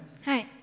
はい。